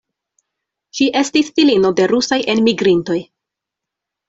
Ŝi estis filino de rusaj enmigrintoj.